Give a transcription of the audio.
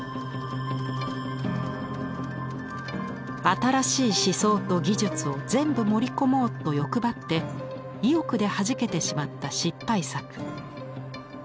「新しい思想と技術を全部盛り込もうと欲張って意欲ではじけてしまった失敗作」。